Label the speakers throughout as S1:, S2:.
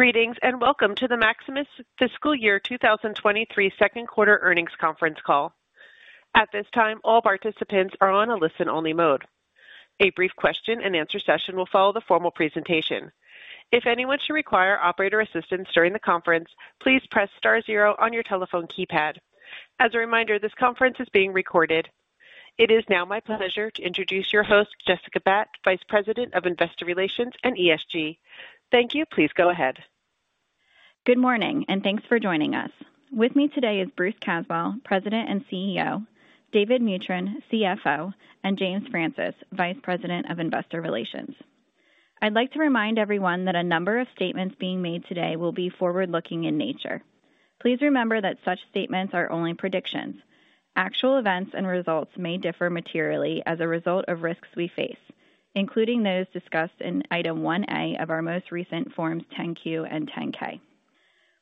S1: Greetings, welcome to the Maximus Fiscal Year 2023 Q2 earnings conference call. At this time, all participants are on a listen-only mode. A brief question-and-answer session will follow the formal presentation. If anyone should require operator assistance during the conference, please press star zero on your telephone keypad. As a reminder, this conference is being recorded. It is now my pleasure to introduce your host, Jessica Batt, Vice President of Investor Relations and ESG. Thank you. Please go ahead.
S2: Good morning, and thanks for joining us. With me today is Bruce Caswell, President and CEO, David Mutryn, CFO, and James Francis, Vice President of Investor Relations. I'd like to remind everyone that a number of statements being made today will be forward-looking in nature. Please remember that such statements are only predictions. Actual events and results may differ materially as a result of risks we face, including those discussed in Item 1-A of our most recent Forms 10-Q and 10-K.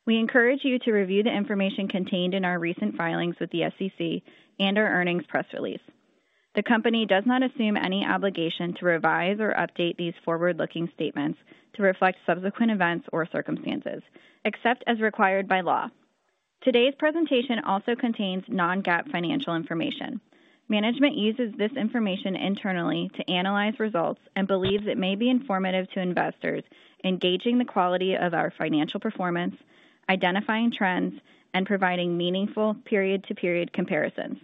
S2: We encourage you to review the information contained in our recent filings with the SEC and our earnings press release. The company does not assume any obligation to revise or update these forward-looking statements to reflect subsequent events or circumstances, except as required by law. Today's presentation also contains non-GAAP financial information. Management uses this information internally to analyze results and believes it may be informative to investors in gauging the quality of our financial performance, identifying trends, and providing meaningful period-to-period comparisons.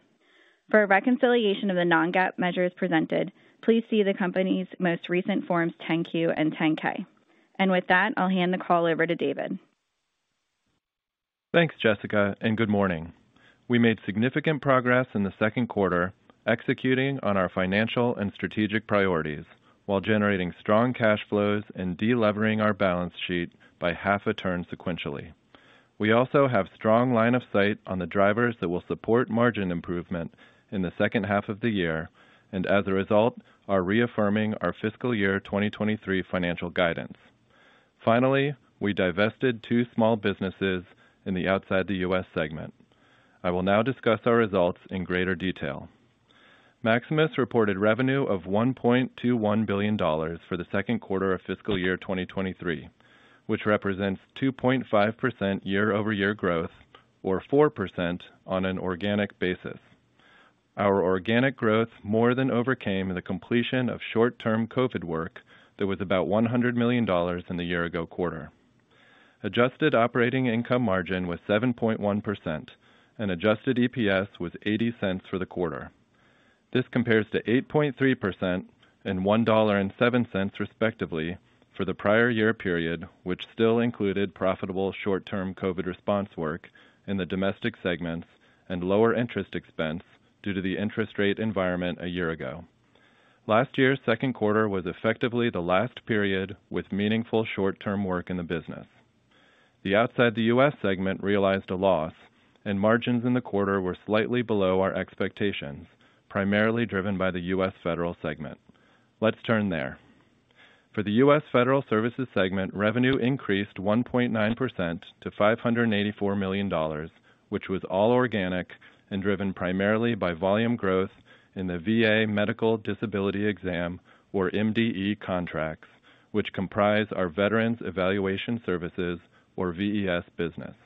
S2: For a reconciliation of the non-GAAP measures presented, please see the company's most recent Forms 10-Q and 10-K. With that, I'll hand the call over to David.
S3: Thanks, Jessica. Good morning. We made significant progress in the Q2, executing on our financial and strategic priorities while generating strong cash flows and de-levering our balance sheet by half a turn sequentially. We also have strong line of sight on the drivers that will support margin improvement in the second half of the year and, as a result, are reaffirming our fiscal year 2023 financial guidance. We divested two small businesses in the Outside the U.S. segment. I will now discuss our results in greater detail. Maximus reported revenue of $1.21 billion for the Q2 of fiscal year 2023, which represents 2.5% year-over-year growth, or 4% on an organic basis. Our organic growth more than overcame the completion of short-term COVID work that was about $100 million in the year-ago quarter. Adjusted operating income margin was 7.1%, and adjusted EPS was $0.80 for the quarter. This compares to 8.3% and $1.07 respectively for the prior year period, which still included profitable short-term COVID response work in the domestic segments and lower interest expense due to the interest rate environment a year ago. Last year's second quarter was effectively the last period with meaningful short-term work in the business. The Outside the U.S. segment realized a loss, and margins in the quarter were slightly below our expectations, primarily driven by the U.S. Federal segment. Let's turn there. For the U.S. Federal Services segment, revenue increased 1.9% to $584 million, which was all organic and driven primarily by volume growth in the VA Medical Disability Exam, or MDE contracts, which comprise our Veterans Evaluation Services, or VES business.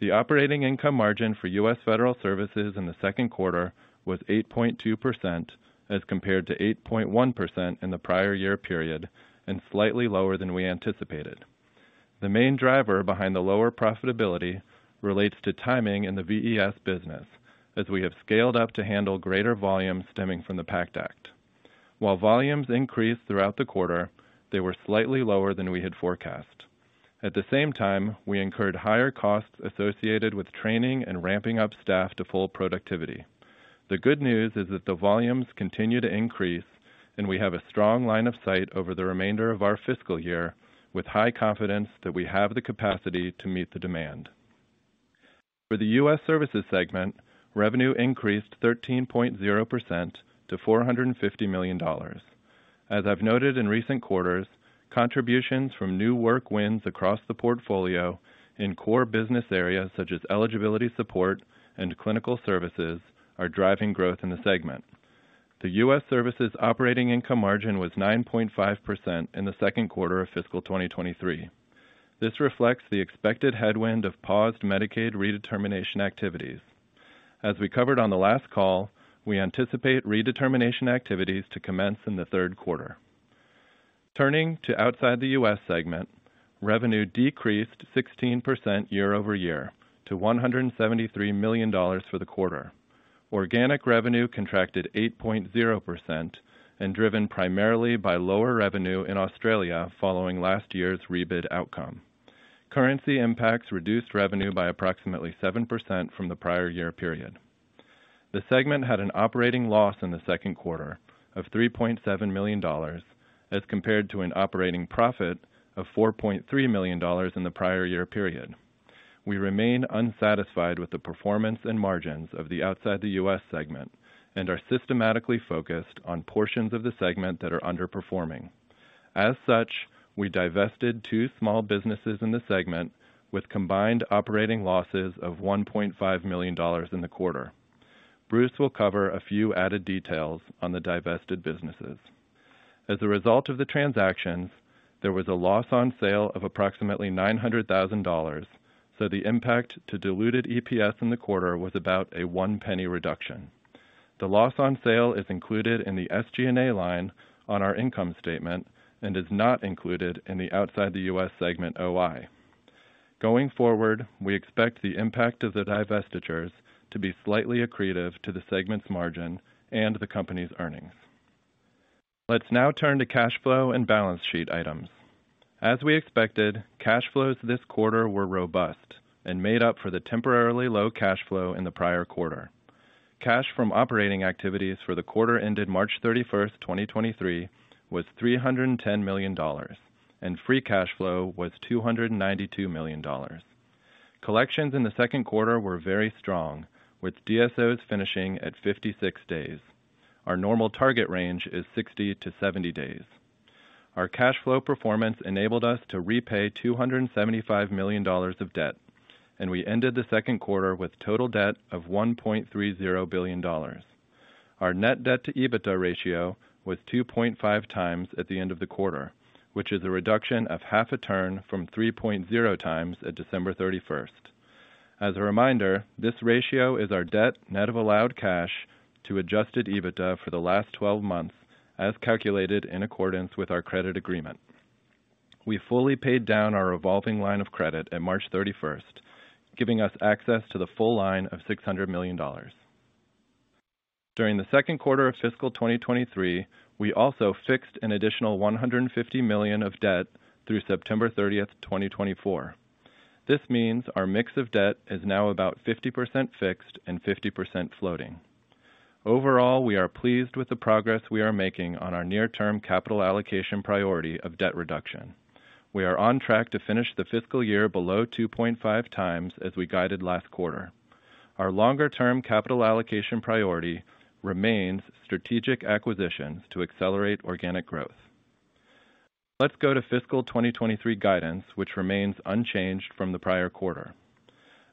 S3: The operating income margin for U.S. Federal Services in the Q2 was 8.2% as compared to 8.1% in the prior year period and slightly lower than we anticipated. The main driver behind the lower profitability relates to timing in the VES business, as we have scaled up to handle greater volume stemming from the PACT Act. While volumes increased throughout the quarter, they were slightly lower than we had forecast. At the same time, we incurred higher costs associated with training and ramping up staff to full productivity. The good news is that the volumes continue to increase, and we have a strong line of sight over the remainder of our fiscal year with high confidence that we have the capacity to meet the demand. For the U.S. Services segment, revenue increased 13.0% to $450 million. As I've noted in recent quarters, contributions from new work wins across the portfolio in core business areas such as eligibility support and clinical services are driving growth in the segment. The U.S. Services operating income margin was 9.5% in the Q2 of fiscal 2023. This reflects the expected headwind of paused Medicaid redetermination activities. As we covered on the last call, we anticipate redetermination activities to commence in the Q3. Turning to Outside the U.S. segment, revenue decreased 16% year-over-year to $173 million for the quarter. Organic revenue contracted 8.0% and driven primarily by lower revenue in Australia following last year's rebid outcome. Currency impacts reduced revenue by approximately 7% from the prior year period. The segment had an operating loss in the Q2 of $3.7 million as compared to an operating profit of $4.3 million in the prior year period. We remain unsatisfied with the performance and margins of the outside the U.S. segment and are systematically focused on portions of the segment that are underperforming. As such, we divested two small businesses in the segment with combined operating losses of $1.5 million in the quarter. Bruce will cover a few added details on the divested businesses. As a result of the transactions, there was a loss on sale of approximately $900,000, the impact to diluted EPS in the quarter was about a $0.01 reduction. The loss on sale is included in the SG&A line on our income statement and is not included in the outside the U.S. segment OI. Going forward, we expect the impact of the divestitures to be slightly accretive to the segment's margin and the company's earnings. Let's now turn to cash flow and balance sheet items. As we expected, cash flows this quarter were robust and made up for the temporarily low cash flow in the prior quarter. Cash from operating activities for the quarter ended March 31, 2023 was $310 million, and free cash flow was $292 million. Collections in the Q2 were very strong, with DSOs finishing at 56 days. Our normal target range is 60 to 70 days. Our cash flow performance enabled us to repay $275 million of debt. We ended the Q2 with total debt of $1.30 billion. Our net debt to EBITDA ratio was 2.5x at the end of the quarter, which is a reduction of half a turn from 3.0x at December 31st. As a reminder, this ratio is our debt, net of allowed cash, to adjusted EBITDA for the last 12 months as calculated in accordance with our credit agreement. We fully paid down our revolving line of credit at March 31st, giving us access to the full line of $600 million. During the Q2 of fiscal 2023, we also fixed an additional $150 million of debt through September 30th, 2024. This means our mix of debt is now about 50% fixed and 50% floating. Overall, we are pleased with the progress we are making on our near term capital allocation priority of debt reduction. We are on track to finish the fiscal year below 2.5x as we guided last quarter. Our longer term capital allocation priority remains strategic acquisitions to accelerate organic growth. Let's go to fiscal 2023 guidance, which remains unchanged from the prior quarter.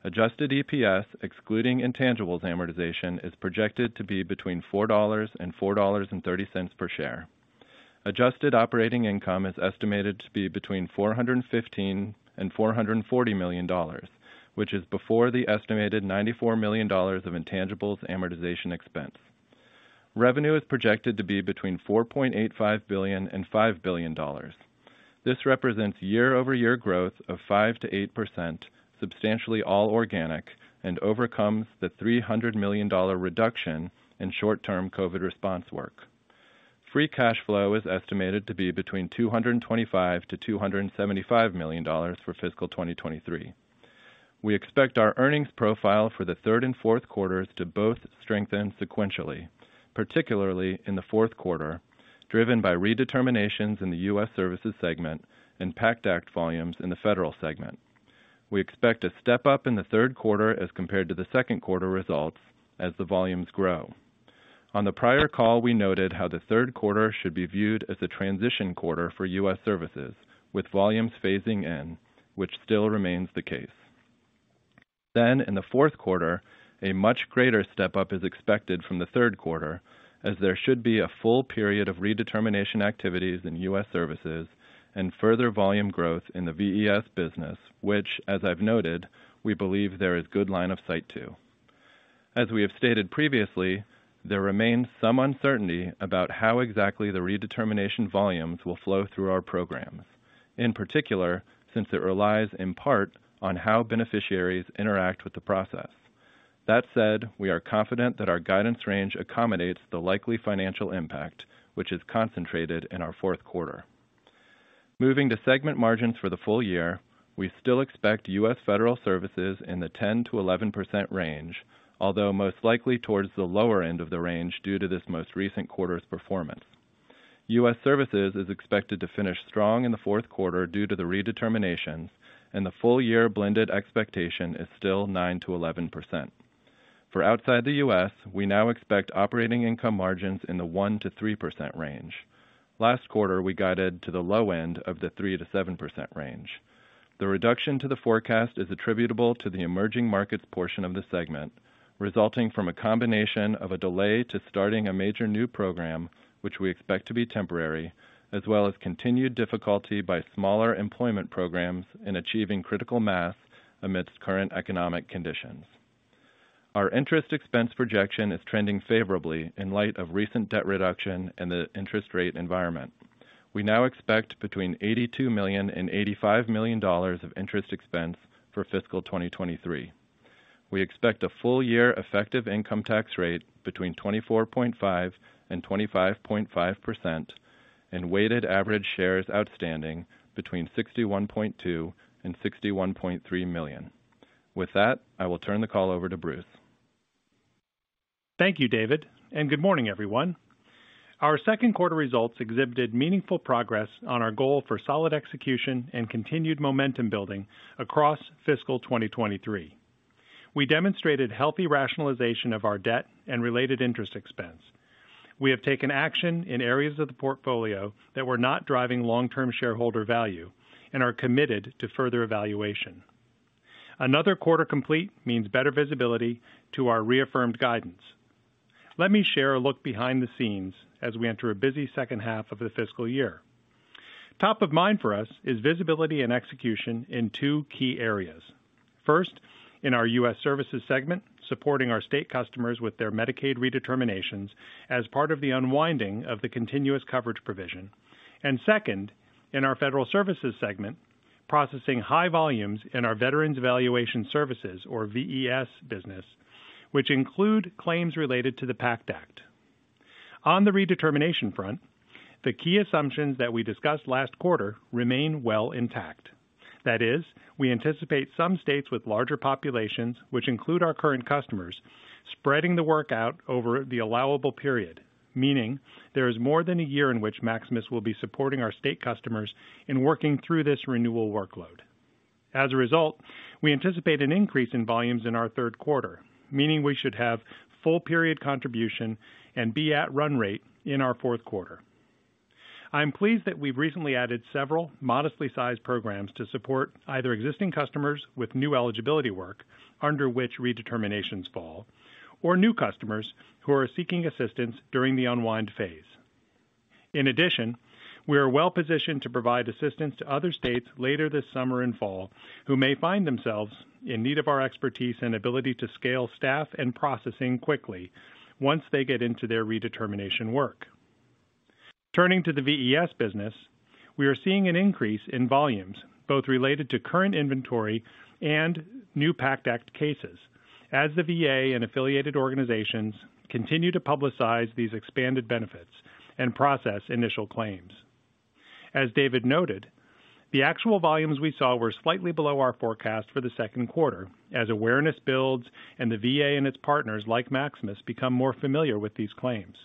S3: Adjusted EPS, excluding intangibles amortization, is projected to be between $4 and $4.30 per share. Adjusted operating income is estimated to be between $415 million and $440 million, which is before the estimated $94 million of intangibles amortization expense. Revenue is projected to be between $4.85 billion and $5 billion. This represents year-over-year growth of 5%-8%, substantially all organic, and overcomes the $300 million reduction in short-term COVID response work. Free cash flow is estimated to be between $225 million to $275 million for fiscal 2023. We expect our earnings profile for the Q3 and Q4 to both strengthen sequentially, particularly in the Q4, driven by redeterminations in the U.S. Services segment and PACT Act volumes in the Federal segment. We expect a step up in the Q3 as compared to the Q2 results as the volumes grow. On the prior call, we noted how the Q3 should be viewed as a transition quarter for U.S. Services, with volumes phasing in, which still remains the case. In the Q4, a much greater step up is expected from the Q3 as there should be a full period of redetermination activities in U.S. Services and further volume growth in the VES business, which, as I've noted, we believe there is good line of sight to. As we have stated previously, there remains some uncertainty about how exactly the redetermination volumes will flow through our programs, in particular, since it relies in part on how beneficiaries interact with the process. That said, we are confident that our guidance range accommodates the likely financial impact, which is concentrated in our Q4. Moving to segment margins for the full year, we still expect U.S. Federal Services in the 10%-11% range, although most likely towards the lower end of the range due to this most recent quarter's performance. U.S. Services is expected to finish strong in the Q4 due to the redeterminations, and the full year blended expectation is still 9%-11%. For Outside the U.S., we now expect operating income margins in the 1%-3% range. Last quarter, we guided to the low end of the 3%-7% range. The reduction to the forecast is attributable to the emerging markets portion of the segment, resulting from a combination of a delay to starting a major new program, which we expect to be temporary, as well as continued difficulty by smaller employment programs in achieving critical mass amidst current economic conditions. Our interest expense projection is trending favorably in light of recent debt reduction and the interest rate environment. We now expect between $82 million and $85 million of interest expense for fiscal 2023. We expect a full year effective income tax rate between 24.5% and 25.5% and weighted average shares outstanding between 61.2 million and 61.3 million. With that, I will turn the call over to Bruce.
S4: Thank you, David. Good morning, everyone. Our Q2 results exhibited meaningful progress on our goal for solid execution and continued momentum building across fiscal 2023. We demonstrated healthy rationalization of our debt and related interest expense. We have taken action in areas of the portfolio that were not driving long-term shareholder value and are committed to further evaluation. Another quarter complete means better visibility to our reaffirmed guidance. Let me share a look behind the scenes as we enter a busy second half of the fiscal year. Top of mind for us is visibility and execution in two key areas. First, in our U.S. Services segment, supporting our state customers with their Medicaid redeterminations as part of the unwinding of the continuous coverage provision. Second, in our Federal Services segment, processing high volumes in our Veterans Evaluation Services, or VES business, which include claims related to the PACT Act. On the redetermination front, the key assumptions that we discussed last quarter remain well intact. That is, we anticipate some states with larger populations, which include our current customers, spreading the work out over the allowable period, meaning there is more than a year in which Maximus will be supporting our state customers in working through this renewal workload. As a result, we anticipate an increase in volumes in our Q3, meaning we should have full period contribution and be at run rate in our Q4. I'm pleased that we've recently added several modestly sized programs to support either existing customers with new eligibility work under which redeterminations fall, or new customers who are seeking assistance during the unwind phase. We are well-positioned to provide assistance to other states later this summer and fall who may find themselves in need of our expertise and ability to scale staff and processing quickly once they get into their redetermination work. Turning to the VES business, we are seeing an increase in volumes, both related to current inventory and new PACT Act cases as the VA and affiliated organizations continue to publicize these expanded benefits and process initial claims. As David noted, the actual volumes we saw were slightly below our forecast for the Q2 as awareness builds and the VA and its partners like Maximus become more familiar with these claims.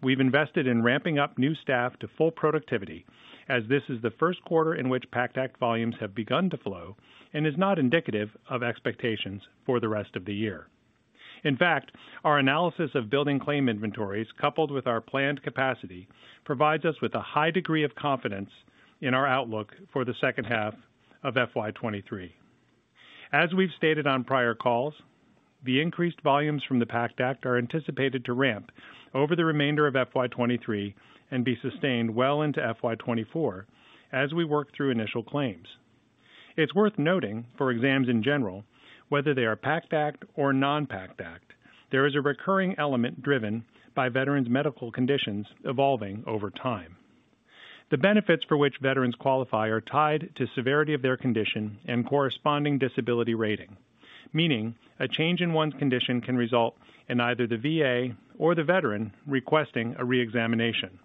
S4: We've invested in ramping up new staff to full productivity as this is the Q1 in which PACT Act volumes have begun to flow and is not indicative of expectations for the rest of the year. In fact, our analysis of building claim inventories, coupled with our planned capacity, provides us with a high degree of confidence in our outlook for the second half of FY23. As we've stated on prior calls, the increased volumes from the PACT Act are anticipated to ramp over the remainder of FY23 and be sustained well into FY24 as we work through initial claims. It's worth noting for exams in general, whether they are PACT Act or non-PACT Act, there is a recurring element driven by veterans' medical conditions evolving over time. The benefits for which veterans qualify are tied to severity of their condition and corresponding disability rating, meaning a change in one's condition can result in either the VA or the veteran requesting a reexamination.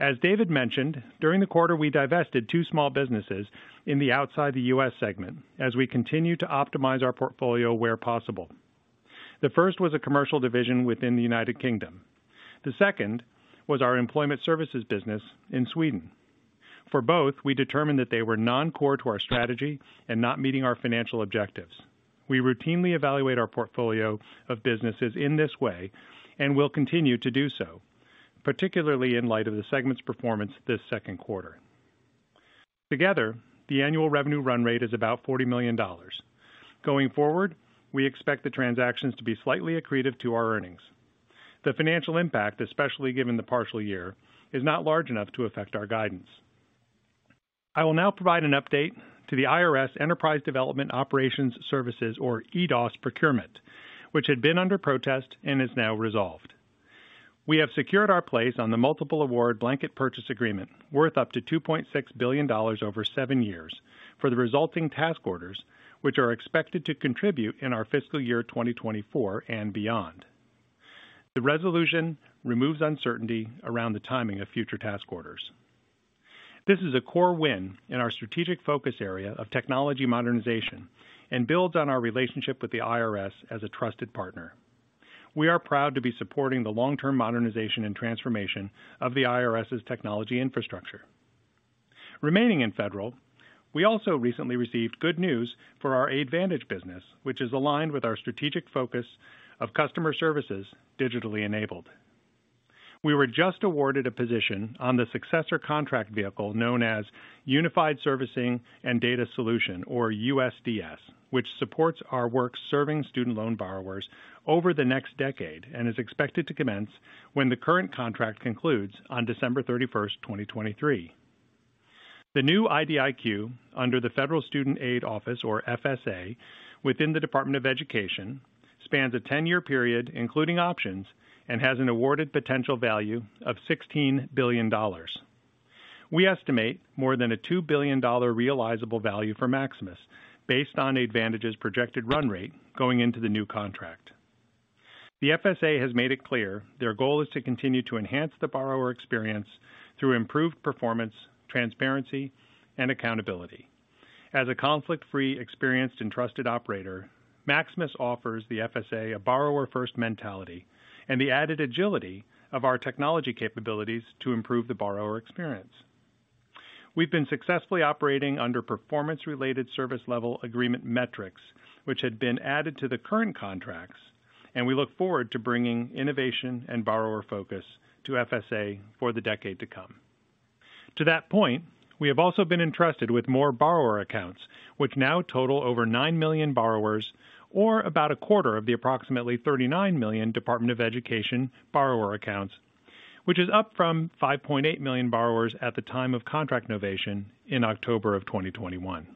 S4: As David mentioned, during the quarter, we divested two small businesses in the Outside the U.S. segment as we continue to optimize our portfolio where possible. The first was a commercial division within the United Kingdom. The second was our employment services business in Sweden. For both, we determined that they were non-core to our strategy and not meeting our financial objectives. We routinely evaluate our portfolio of businesses in this way and will continue to do so, particularly in light of the segment's performance this Q2. Together, the annual revenue run rate is about $40 million. Going forward, we expect the transactions to be slightly accretive to our earnings. The financial impact, especially given the partial year, is not large enough to affect our guidance. I will now provide an update to the IRS Enterprise Development Operations Services, or EDOS procurement, which had been under protest and is now resolved. We have secured our place on the multiple award blanket purchase agreement worth up to $2.6 billion over seven years for the resulting task orders, which are expected to contribute in our fiscal year 2024 and beyond. The resolution removes uncertainty around the timing of future task orders. This is a core win in our strategic focus area of technology modernization and builds on our relationship with the IRS as a trusted partner. We are proud to be supporting the long-term modernization and transformation of the IRS's technology infrastructure. Remaining in Federal, we also recently received good news for our Aidvantage business, which is aligned with our strategic focus of customer services digitally enabled. We were just awarded a position on the successor contract vehicle known as Unified Servicing and Data Solution, or USDS, which supports our work serving student loan borrowers over the next decade and is expected to commence when the current contract concludes on December 31, 2023. The new IDIQ under the Federal Student Aid office, or FSA, within the Department of Education, spans a 10-year period, including options, and has an awarded potential value of $16 billion. We estimate more than a $2 billion realizable value for Maximus based on advantage's projected run rate going into the new contract. The FSA has made it clear their goal is to continue to enhance the borrower experience through improved performance, transparency, and accountability. As a conflict-free, experienced, and trusted operator, Maximus offers the FSA a borrower-first mentality and the added agility of our technology capabilities to improve the borrower experience. We've been successfully operating under performance-related service level agreement metrics, which had been added to the current contracts, and we look forward to bringing innovation and borrower focus to FSA for the decade to come. To that point, we have also been entrusted with more borrower accounts, which now total over nine million borrowers or about a quarter of the approximately 39 million Department of Education borrower accounts, which is up from 5.8 million borrowers at the time of contract novation in October 2021.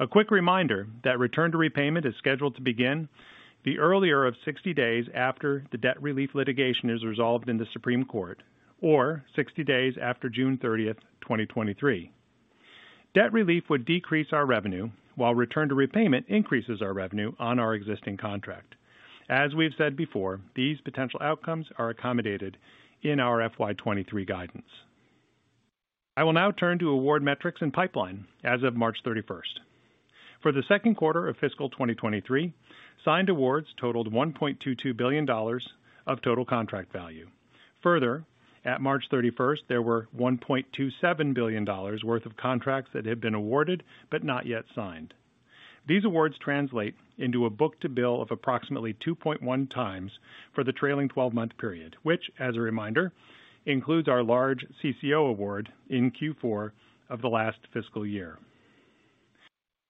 S4: A quick reminder that return to repayment is scheduled to begin the earlier of 60 days after the debt relief litigation is resolved in the Supreme Court or 60 days after June 30th, 2023. Debt relief would decrease our revenue while return to repayment increases our revenue on our existing contract. As we've said before, these potential outcomes are accommodated in our FY23 guidance. I will now turn to award metrics and pipeline as of March 31st. For the Q2 of fiscal 2023, signed awards totaled $1.22 billion of total contract value. Further, at March 31st, there were $1.27 billion worth of contracts that had been awarded but not yet signed. These awards translate into a book-to-bill of approximately 2.1x for the trailing 12-month period, which, as a reminder, includes our large CCO award in Q4 of the last fiscal year.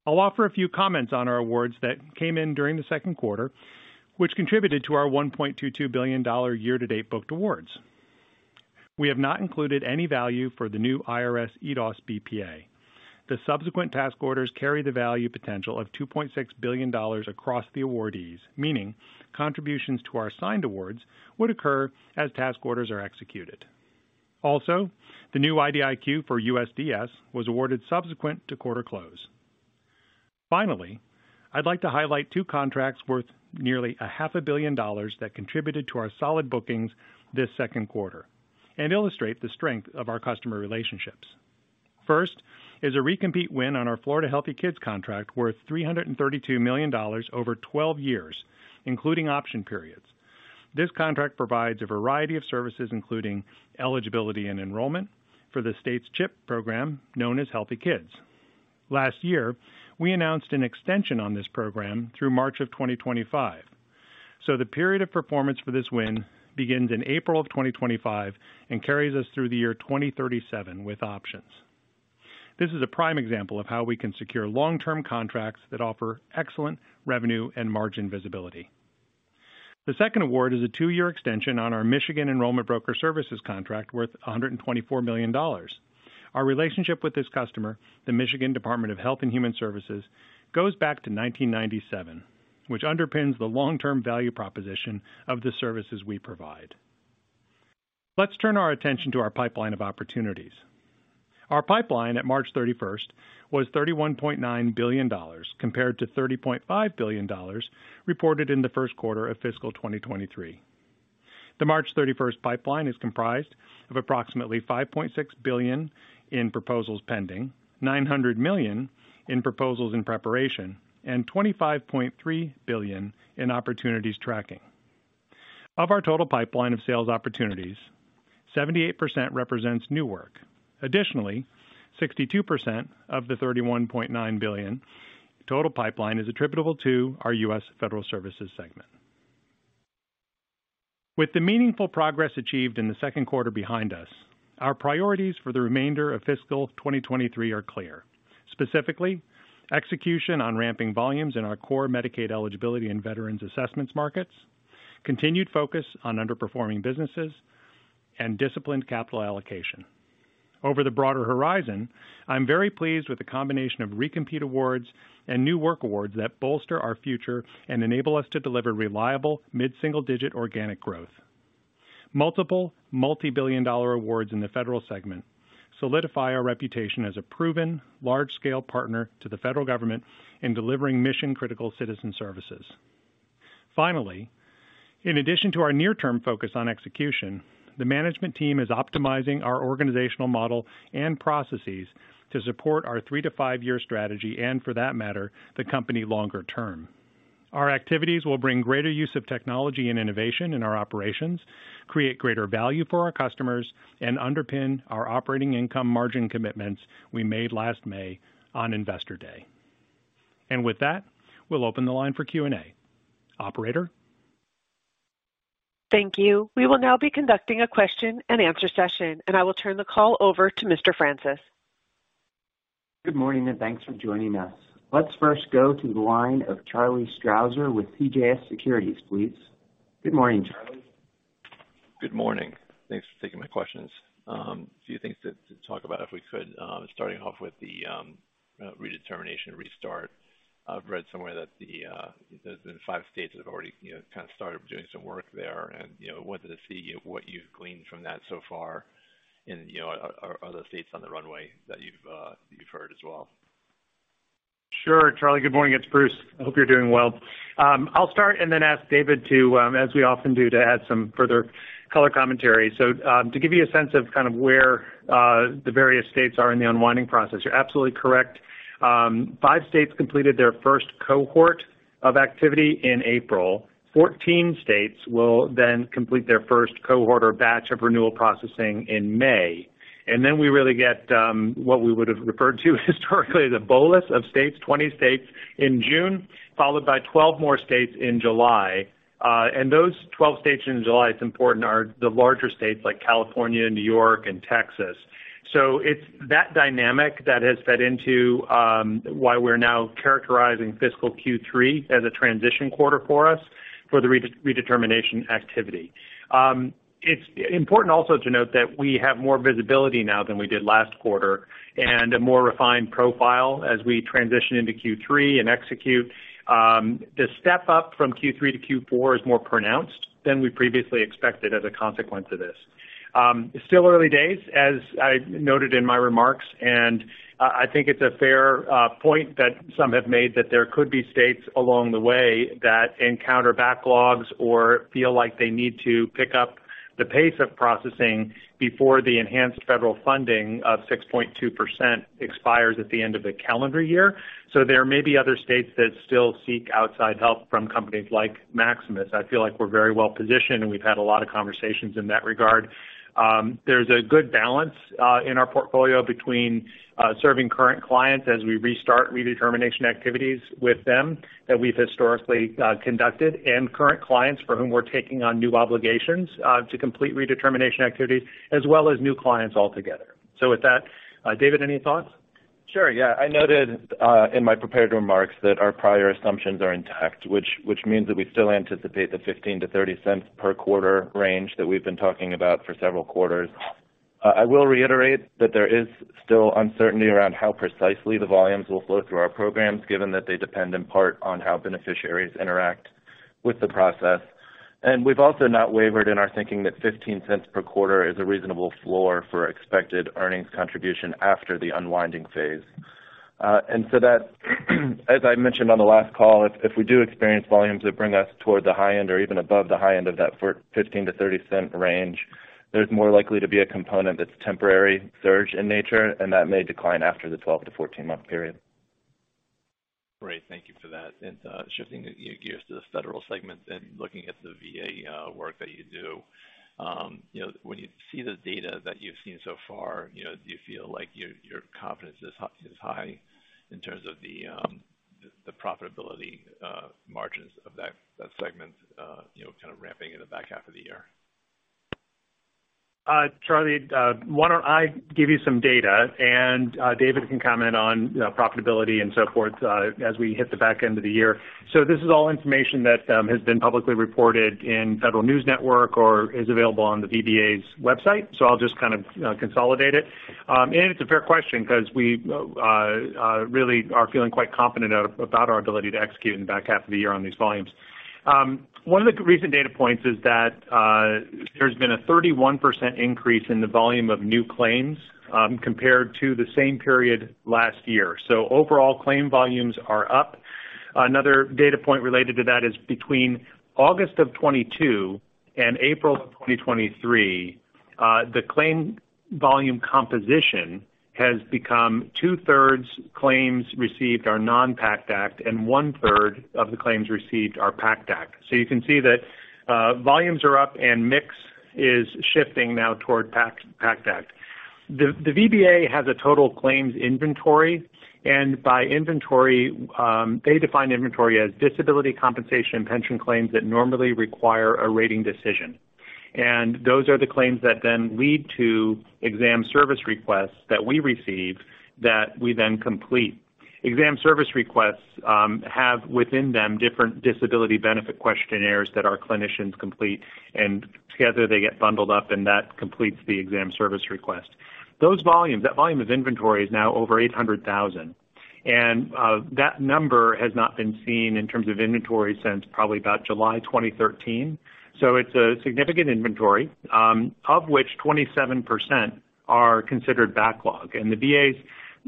S4: I'll offer a few comments on our awards that came in during the Q2, which contributed to our $1.22 billion year-to-date booked awards. We have not included any value for the new IRS EDOS BPA. The subsequent task orders carry the value potential of $2.6 billion across the awardees, meaning contributions to our signed awards would occur as task orders are executed. Also, the new IDIQ for USDS was awarded subsequent to quarter close. Finally, I'd like to highlight two contracts worth nearly a half a billion dollars that contributed to our solid bookings this Q2, and illustrate the strength of our customer relationships. First is a recompete win on our Florida Healthy Kids contract worth $332 million over 12 years, including option periods. This contract provides a variety of services, including eligibility and enrollment for the state's CHIP program, known as Healthy Kids. Last year, we announced an extension on this program through March of 2025. The period of performance for this win begins in April of 2025 and carries us through the year 2037 with options. This is a prime example of how we can secure long-term contracts that offer excellent revenue and margin visibility. The second award is a two year extension on our Michigan Enrollment Broker Services contract worth $124 million. Our relationship with this customer, the Michigan Department of Health and Human Services, goes back to 1997, which underpins the long-term value proposition of the services we provide. Let's turn our attention to our pipeline of opportunities. Our pipeline at March 31st was $31.9 billion, compared to $30.5 billion reported in the Q1 of fiscal 2023. The March 31st pipeline is comprised of approximately $5.6 billion in proposals pending, $900 million in proposals in preparation, and $25.3 billion in opportunities tracking. Of our total pipeline of sales opportunities, 78% represents new work. Additionally, 62% of the $31.9 billion total pipeline is attributable to our U.S. Federal Services segment. With the meaningful progress achieved in the Q2 behind us, our priorities for the remainder of fiscal 2023 are clear. Specifically, execution on ramping volumes in our core Medicaid eligibility and veterans assessments markets, continued focus on underperforming businesses, and disciplined capital allocation. Over the broader horizon, I'm very pleased with the combination of recompete awards and new work awards that bolster our future and enable us to deliver reliable mid-single-digit organic growth. Multiple multi-billion dollar awards in the Federal segment solidify our reputation as a proven large-scale partner to the federal government in delivering mission-critical citizen services. Finally, in addition to our near-term focus on execution, the management team is optimizing our organizational model and processes to support our three to five year strategy and, for that matter, the company longer term. Our activities will bring greater use of technology and innovation in our operations, create greater value for our customers, and underpin our operating income margin commitments we made last May on Investor Day. With that, we'll open the line for Q&A. Operator?
S1: Thank you. We will now be conducting a question and answer session, and I will turn the call over to Mr. Francis.
S5: Good morning, and thanks for joining us. Let's first go to the line of Charlie Strauzer with CJS Securities, please. Good morning, Charlie.
S6: Good morning. Thanks for taking my questions. A few things to talk about if we could, starting off with the redetermination restart. I've read somewhere that there's been five states that have already, you know, kind of started doing some work there. You know, wanted to see what you've gleaned from that so far and, you know, are other states on the runway that you've heard as well?
S4: Sure, Charlie. Good morning. It's Bruce. I hope you're doing well. I'll start and then ask David to, as we often do, to add some further color commentary. To give you a sense of kind of where the various states are in the unwinding process, you're absolutely correct. Five states completed their first cohort of activity in April. 14 states will then complete their first cohort or batch of renewal processing in May. We really get what we would have referred to historically as a bolus of states, 20 states in June, followed by 12 more states in July. Those 12 states in July, it's important, are the larger states like California, New York and Texas. It's that dynamic that has fed into why we're now characterizing fiscal Q3 as a transition quarter for us for the redetermination activity. It's important also to note that we have more visibility now than we did last quarter, and a more refined profile as we transition into Q3 and execute. The step up from Q3 to Q4 is more pronounced than we previously expected as a consequence of this. It's still early days, as I noted in my remarks, and I think it's a fair point that some have made that there could be states along the way that encounter backlogs or feel like they need to pick up the pace of processing before the enhanced federal funding of 6.2% expires at the end of the calendar year. There may be other states that still seek outside help from companies like Maximus. I feel like we're very well positioned, and we've had a lot of conversations in that regard. There's a good balance in our portfolio between serving current clients as we restart redetermination activities with them that we've historically conducted, and current clients for whom we're taking on new obligations to complete redetermination activities as well as new clients altogether. With that, David, any thoughts?
S3: Sure, yeah. I noted in my prepared remarks that our prior assumptions are intact, which means that we still anticipate the $0.15-$0.30 per quarter range that we've been talking about for several quarters. I will reiterate that there is still uncertainty around how precisely the volumes will flow through our programs, given that they depend in part on how beneficiaries interact with the process. We've also not wavered in our thinking that $0.15 per quarter is a reasonable floor for expected earnings contribution after the unwinding phase. That, as I mentioned on the last call, if we do experience volumes that bring us toward the high end or even above the high end of that for $0.15-$0.30 range, there's more likely to be a component that's temporary surge in nature, and that may decline after the 12 to 14 month period.
S6: Great. Thank you for that. Shifting the gears to the Federal segment and looking at the VA work that you do, you know, when you see the data that you've seen so far, you know, do you feel like your confidence is high in terms of the profitability margins of that segment, you know, kind of ramping in the back half of the year?
S4: Charlie, why don't I give you some data, and David can comment on profitability and so forth as we hit the back end of the year. This is all information that has been publicly reported in Federal News Network or is available on the VBA's website. I'll just kind of consolidate it. It's a fair question 'cause we really are feeling quite confident about our ability to execute in the back half of the year on these volumes. One of the recent data points is that there's been a 31% increase in the volume of new claims compared to the same period last year. Overall claim volumes are up. Another data point related to that is between August of 2022 and April of 2023, the claim volume composition has become 2/3 claims received are non-PACT Act, and 1/3 of the claims received are PACT Act. You can see that volumes are up and mix is shifting now toward PACT Act. The VBA has a total claims inventory, by inventory, they define inventory as disability compensation pension claims that normally require a rating decision. Those are the claims that then lead to exam service requests that we receive that we then complete. Exam service requests have within them different Disability Benefit Questionnaires that our clinicians complete, together they get bundled up, and that completes the exam service request. Those volumes, that volume of inventory is now over 800,000. That number has not been seen in terms of inventory since probably about July 2013. It's a significant inventory, of which 27% are considered backlog. The VA's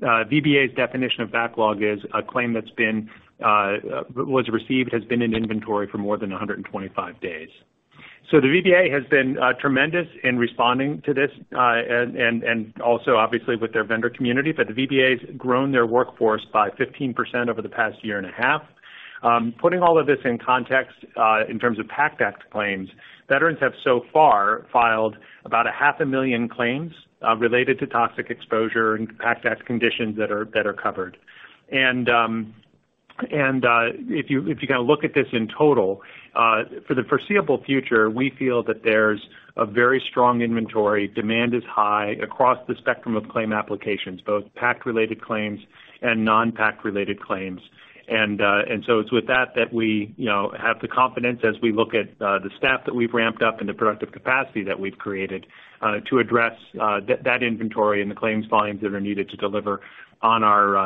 S4: VBA's definition of backlog is a claim that's been received, has been in inventory for more than 125 days. The VBA has been tremendous in responding to this and also obviously with their vendor community. The VBA has grown their workforce by 15% over the past year and a half. Putting all of this in context, in terms of PACT Act claims, veterans have so far filed about a half a million claims related to toxic exposure and PACT Act conditions that are covered. If you, if you kind of look at this in total, for the foreseeable future, we feel that there's a very strong inventory. Demand is high across the spectrum of claim applications, both PACT related claims and non-PACT related claims. It's with that we, you know, have the confidence as we look at the staff that we've ramped up and the productive capacity that we've created to address that inventory and the claims volumes that are needed to deliver on our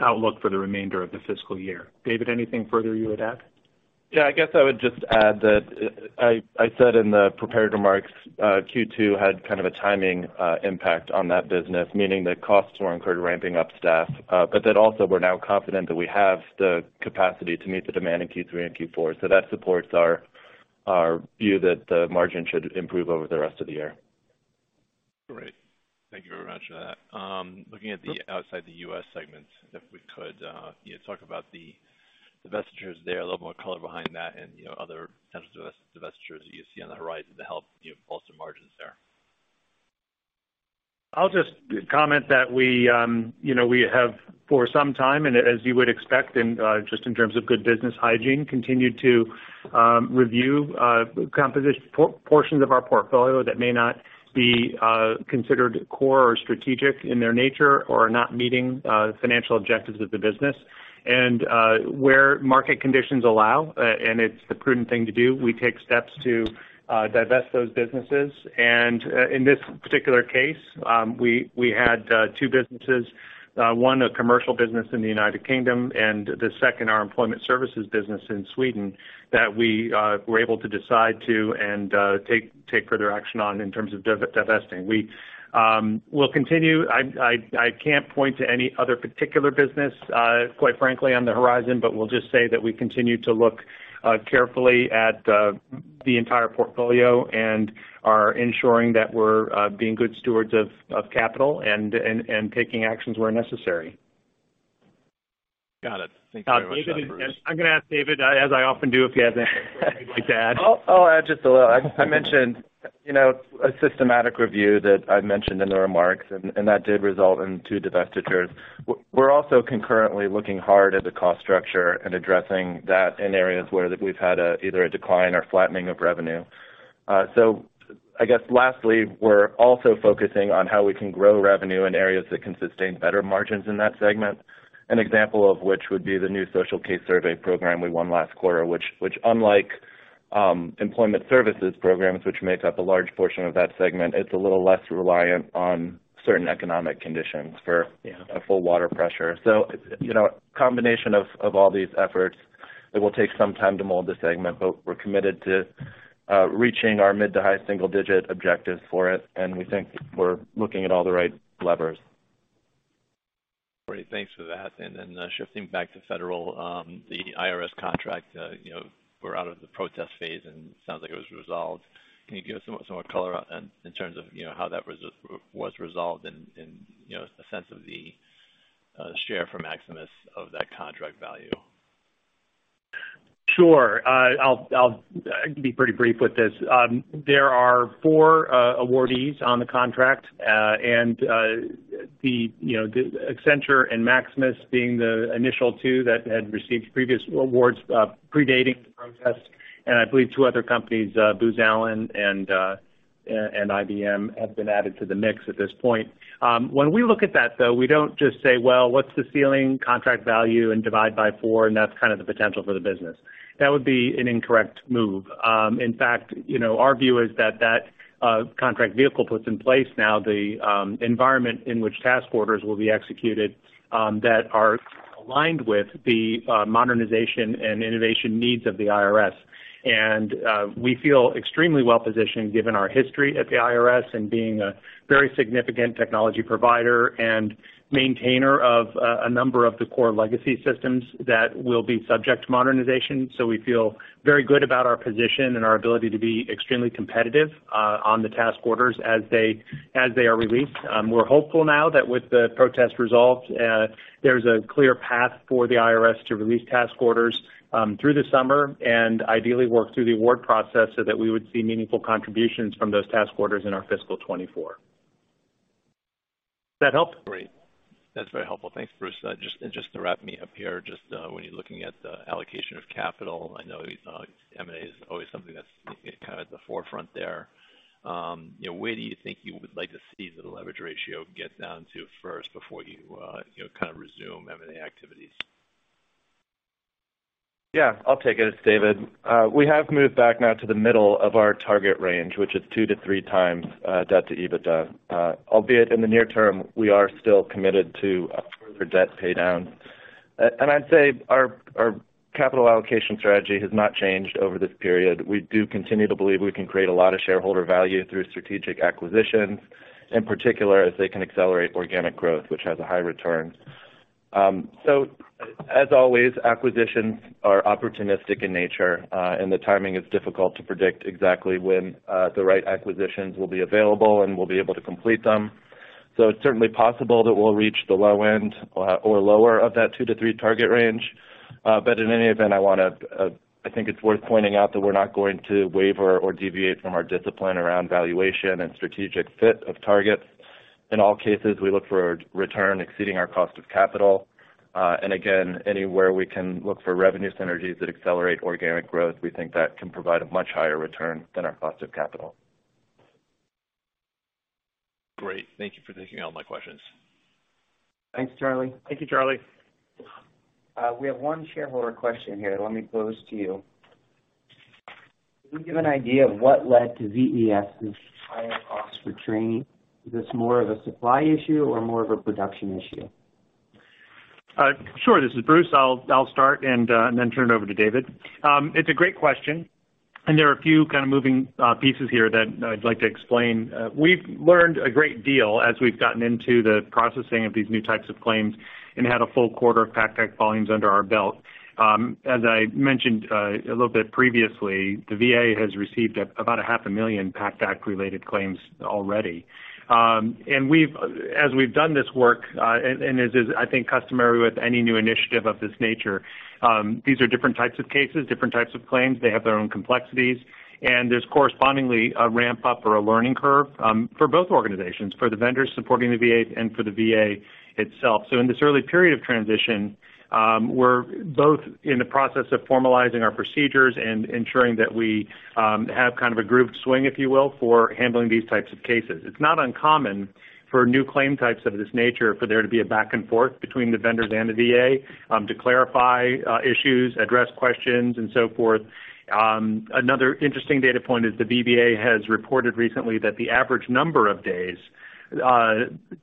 S4: outlook for the remainder of the fiscal year. David, anything further you would add?
S3: Yeah, I guess I would just add that I said in the prepared remarks, Q2 had kind of a timing impact on that business, meaning that costs were incurred ramping up staff, but that also we're now confident that we have the capacity to meet the demand in Q3 and Q4. That supports our view that the margin should improve over the rest of the year.
S6: Great. Thank you very much for that. looking at the Outside the U.S. segment, if we could, you know, talk about the divestitures there, a little more color behind that and, you know, other potential divestitures you see on the horizon to help, you know, bolster margins there.
S4: I'll just comment that we, you know, we have for some time, as you would expect in just in terms of good business hygiene, continue to review portions of our portfolio that may not be considered core or strategic in their nature or are not meeting financial objectives of the business. Where market conditions allow, and it's the prudent thing to do, we take steps to divest those businesses. In this particular case, we had two businesses, one a commercial business in the United Kingdom, and the second, our employment services business in Sweden, that we were able to decide to and take further action on in terms of divesting. We will continue. I can't point to any other particular business, quite frankly, on the horizon, but we'll just say that we continue to look carefully at the entire portfolio and are ensuring that we're being good stewards of capital and taking actions where necessary.
S6: Got it. Thank you very much, Bruce.
S4: David, I'm gonna ask David, as I often do, if he has anything to add?
S3: I'll add just a little. I mentioned, you know, a systematic review that I mentioned in the remarks, and that did result in two divestitures. We're also concurrently looking hard at the cost structure and addressing that in areas where we've had either a decline or flattening of revenue. I guess lastly, we're also focusing on how we can grow revenue in areas that can sustain better margins in that segment. An example of which would be the new Social Case Survey program we won last quarter, which unlike employment services programs, which make up a large portion of that segment, it's a little less reliant on certain economic conditions.
S6: Yeah.
S3: A full water pressure. You know, a combination of all these efforts, it will take some time to mold the segment, but we're committed to reaching our mid to high single-digit objectives for it. We think we're looking at all the right levers.
S6: Great. Thanks for that. Then, shifting back to Federal, the IRS contract, you know, we're out of the protest phase, and it sounds like it was resolved. Can you give us some more color in terms of, you know, how that was resolved and, you know, a sense of the share for Maximus of that contract value?
S4: Sure. I can be pretty brief with this. There are four awardees on the contract, and the, you know, Accenture and Maximus being the initial two that had received previous awards, predating the protest. I believe two other companies, Booz Allen and IBM have been added to the mix at this point. When we look at that, though, we don't just say, "Well, what's the ceiling contract value and divide by four, and that's kind of the potential for the business." That would be an incorrect move. In fact, you know, our view is that that contract vehicle puts in place now the environment in which task orders will be executed, that are aligned with the modernization and innovation needs of the IRS. We feel extremely well-positioned given our history at the IRS and being a very significant technology provider and maintainer of a number of the core legacy systems that will be subject to modernization. We feel very good about our position and our ability to be extremely competitive on the task orders as they are released. We're hopeful now that with the protest resolved, there's a clear path for the IRS to release task orders through the summer and ideally work through the award process so that we would see meaningful contributions from those task orders in our fiscal 2024. Does that help?
S6: Great. That's very helpful. Thanks, Bruce. Just to wrap me up here, when you're looking at the allocation of capital, I know M&A is always something that's, you know, kind of at the forefront there. You know, where do you think you would like to see the leverage ratio get down to first before you know, kind of resume M&A activities?
S3: Yeah, I'll take it. It's David. We have moved back now to the middle of our target range, which is 2-3x, debt to EBITDA. Albeit in the near term, we are still committed to further debt pay down. I'd say our capital allocation strategy has not changed over this period. We do continue to believe we can create a lot of shareholder value through strategic acquisitions, in particular as they can accelerate organic growth, which has a high return. As always, acquisitions are opportunistic in nature, and the timing is difficult to predict exactly when the right acquisitions will be available and we'll be able to complete them. It's certainly possible that we'll reach the low end, or lower of that two to three target range. In any event, I wanna, I think it's worth pointing out that we're not going to waver or deviate from our discipline around valuation and strategic fit of targets. In all cases, we look for a return exceeding our cost of capital. Again, anywhere we can look for revenue synergies that accelerate organic growth, we think that can provide a much higher return than our cost of capital.
S6: Great. Thank you for taking all my questions.
S3: Thanks, Charlie.
S4: Thank you, Charlie.
S5: We have one shareholder question here. Let me pose to you. Can you give an idea of what led to VES' higher costs for training? Is this more of a supply issue or more of a production issue?
S4: Sure. This is Bruce. I'll start and then turn it over to David. It's a great question. There are a few kind of moving pieces here that I'd like to explain. We've learned a great deal as we've gotten into the processing of these new types of claims and had a full quarter of PACT Act volumes under our belt. As I mentioned a little bit previously, the VA has received about a half a million PACT Act-related claims already. As we've done this work, and is, I think, customary with any new initiative of this nature, these are different types of cases, different types of claims. They have their own complexities, and there's correspondingly a ramp-up or a learning curve for both organizations, for the vendors supporting the VA and for the VA itself. In this early period of transition, we're both in the process of formalizing our procedures and ensuring that we have kind of a group swing, if you will, for handling these types of cases. It's not uncommon for new claim types of this nature for there to be a back and forth between the vendors and the VA to clarify issues, address questions, and so forth. Another interesting data point is the VBA has reported recently that the average number of days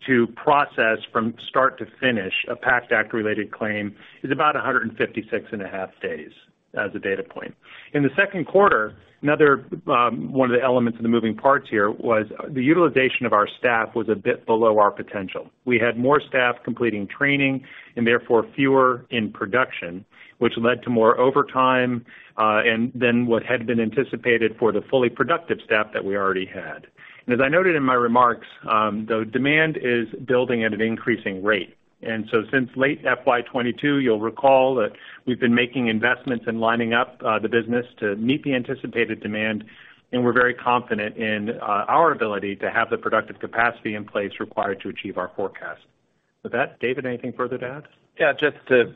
S4: to process from start to finish a PACT Act-related claim is about 156 and a half days as a data point. In the Q2, another, one of the elements of the moving parts here was the utilization of our staff was a bit below our potential. We had more staff completing training and therefore fewer in production, which led to more overtime, and than what had been anticipated for the fully productive staff that we already had. As I noted in my remarks, the demand is building at an increasing rate. Since late FY22, you'll recall that we've been making investments in lining up, the business to meet the anticipated demand, and we're very confident in, our ability to have the productive capacity in place required to achieve our forecast. With that, David, anything further to add?
S3: Just to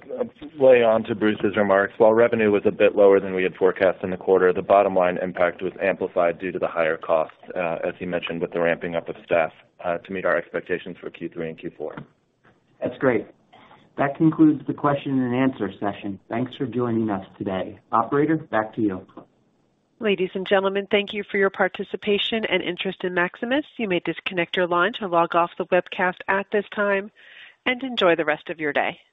S3: lay on to Bruce's remarks. While revenue was a bit lower than we had forecast in the quarter, the bottom line impact was amplified due to the higher costs, as he mentioned with the ramping up of staff, to meet our expectations for Q3 and Q4.
S5: That's great. That concludes the question and answer session. Thanks for joining us today. Operator, back to you.
S1: Ladies and gentlemen, thank you for your participation and interest in Maximus. You may disconnect your line to log off the webcast at this time. Enjoy the rest of your day.